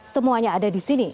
semuanya ada di sini